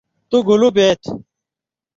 تُو گُلُو بَیت؟